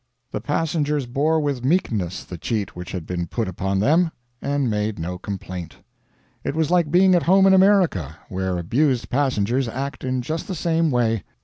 The passengers bore with meekness the cheat which had been put upon them, and made no complaint. It was like being at home in America, where abused passengers act in just the same way.